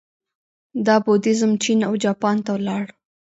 دا بودیزم چین او جاپان ته لاړ